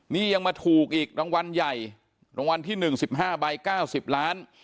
นี่ยังมาถูกอีกรางวัลใหญ่รางวัลที่๑๑๕ใบ๙๐ล้าน